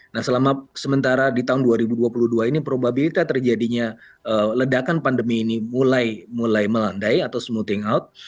nah selama sementara di tahun dua ribu dua puluh dua ini probabilitas terjadinya ledakan pandemi ini mulai melandai atau smoothing out